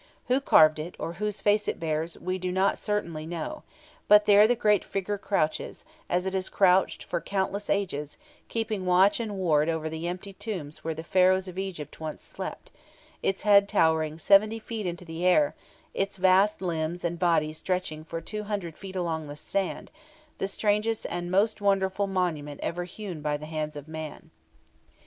Who carved it, or whose face it bears, we do not certainly know; but there the great figure crouches, as it has crouched for countless ages, keeping watch and ward over the empty tombs where the Pharaohs of Egypt once slept, its head towering seventy feet into the air, its vast limbs and body stretching for two hundred feet along the sand, the strangest and most wonderful monument ever hewn by the hands of man (Plate 11).